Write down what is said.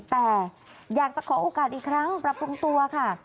แต่อยากจะขอโอกาสอีกครั้งปรับปรุงตัวค่ะ